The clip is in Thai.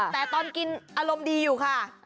แต่ตอนกินอารมณ์ดีอยู่ค่ะ